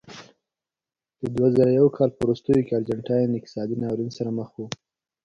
د دوه زره یو کال په وروستیو کې ارجنټاین اقتصادي ناورین سره مخ و.